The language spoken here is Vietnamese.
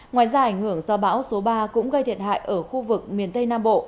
ngoài ra ảnh hưởng do bão số ba cũng gây thiệt hại ở khu vực miền tây nam bộ